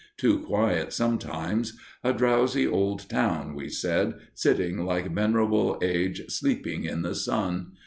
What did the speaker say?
Too quiet, sometimes; a drowsy old town, we said, sitting like venerable age sleeping in the sun.